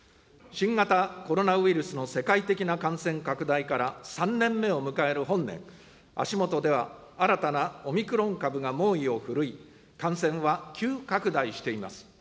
新型コロナウイルスの世界的な感染拡大から３年目を迎える本年、足元では新たなオミクロン株が猛威を振るい、感染は急拡大しています。